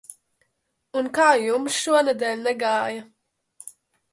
Un kā jums šonedēļ negāja?